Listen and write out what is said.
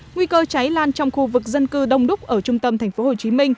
nguy cơ cháy lan trong khu vực dân cư đông đúc ở trung tâm tp hcm